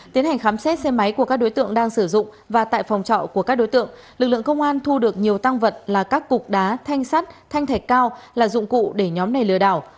tiến hành khám xét xe máy của các đối tượng đang sử dụng và tại phòng trọ của các đối tượng lực lượng công an thu được nhiều tăng vật là các cục đá thanh sắt thanh thạch cao là dụng cụ để nhóm này lừa đảo